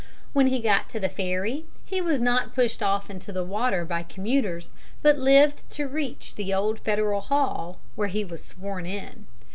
When he got to the ferry he was not pushed off into the water by commuters, but lived to reach the Old Federal Hall, where he was sworn in.